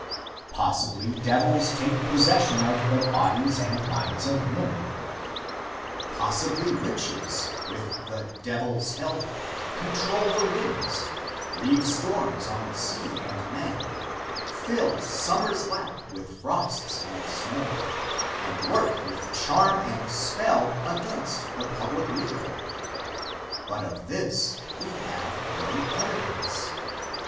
Possibly devils take possession of the bodies and minds of men. Possibly witches, with the Devil's help, control the winds, breed storms on sea and land, fill summer's lap with frosts and snow, and work with charm and spell against the public weal, but of this we have no evidence.